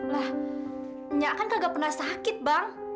lah nya kan gak pernah sakit bang